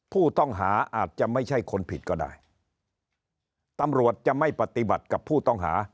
ผู้ต้องหาอาจจะไม่ใช่คนผิดก็ได้ตำรวจจะไม่ปฏิบัติกับผู้ต้องหา